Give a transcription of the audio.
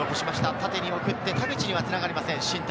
縦に送って、田口にはつながりません。